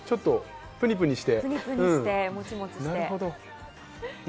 プニプニして。